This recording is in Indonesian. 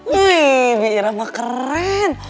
wih bira mah keren